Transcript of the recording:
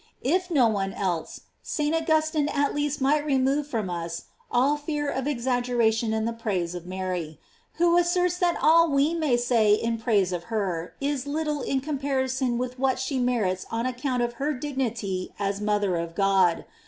* If no one else, St. Augustine at least might remove from us all fear of exaggeration in the praise of Mary, who asserts that all we may say in her praise is little in comparison with what she merits on ac count of her dignity as mother of God.